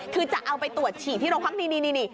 คือจะเอาไปตรวจฉี่ที่โรงพักนี่